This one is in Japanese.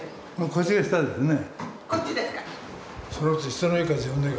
こっちですか。